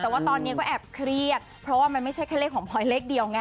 แต่ว่าตอนนี้ก็แอบเครียดเพราะว่ามันไม่ใช่แค่เลขของพลอยเลขเดียวไง